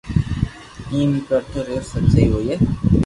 ايم اي ڪرتو رھيو سب سھي ھوئي